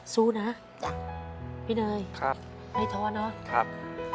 สู้นะพี่เนยครับให้ทอเนอะครับ